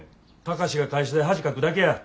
貴司が会社で恥かくだけや。